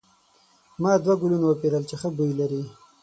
ما دوه ګلونه وپیرل چې ښه بوی لري.